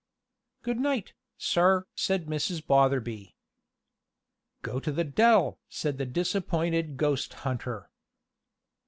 "Good night, sir!" said Mrs. Botherby. "Go to the d l!" said the disappointed ghost hunter.